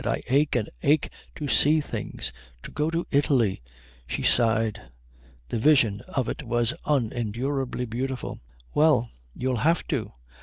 "I ache and ache to see things, to go to Italy " She sighed. The vision of it was unendurably beautiful. "Well, you'll have to.